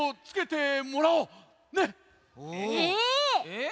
えっ？